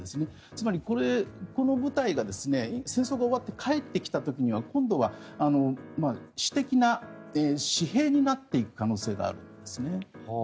つまり、この部隊が戦争が終わって帰ってきた時には今度は私的な私兵になっていく可能性があるんですね。